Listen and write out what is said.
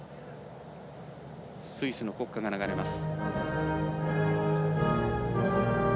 スイスの国歌が流れます。